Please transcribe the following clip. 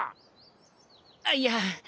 あっいや。